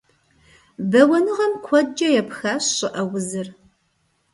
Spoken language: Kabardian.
Бэуэныгъэм куэдкӀэ епхащ щӀыӀэ узыр.